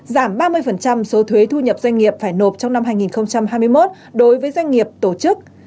giảm ba mươi số thuế thu nhập doanh nghiệp phải nộp trong năm hai nghìn hai mươi một đối với doanh nghiệp tổ chức